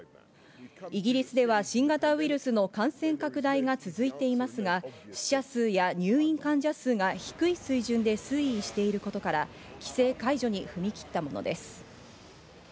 イギリスでは新型ウイルスの感染拡大が続いていますが、死者数や入院患者数は低い水準で推移していることから、規制解除に踏み切ったものです。